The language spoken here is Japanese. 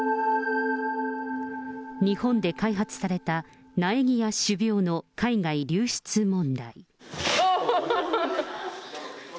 日本で開発された苗木や種苗の海外流出問題。